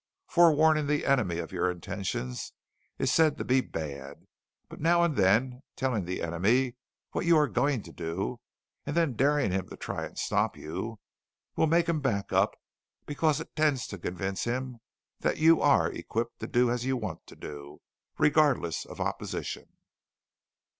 Forewarning the enemy of your intentions is said to be bad. But now and then, telling the enemy what you are going to do and then daring him to try and stop you will make him back up, because it tends to convince him that you are equipped to do as you want to do, regardless of opposition.